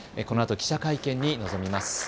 このあと記者会見に臨みます。